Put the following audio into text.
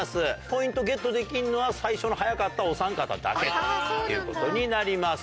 ポイントゲットできるのは最初の早かったおさん方だけということになります。